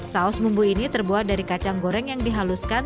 saus bumbu ini terbuat dari kacang goreng yang dihaluskan